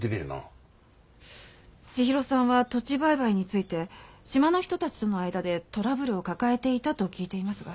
千尋さんは土地売買について島の人たちとの間でトラブルを抱えていたと聞いていますが。